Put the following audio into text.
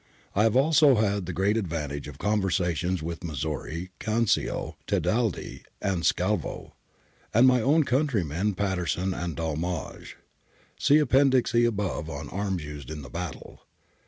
I have also had the great ad vantage of conversations with Missori, Canzio, Teda/di, and Sclavo ; and my own countrymen Patterson and Dolmage. See Appendix E above, on arms used in the battle.